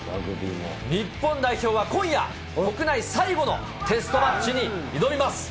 日本代表は今夜、国内最後のテストマッチに挑みます。